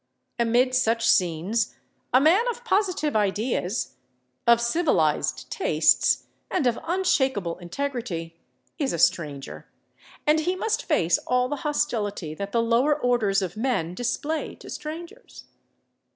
Amid such scenes a man of positive ideas, of civilized tastes and of unshakable integrity is a stranger, and he must face all the hostility that the lower orders of men display to strangers.